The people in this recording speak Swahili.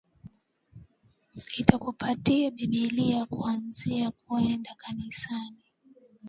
Nitakupatia Bibilia ukianza kuenda kanisani.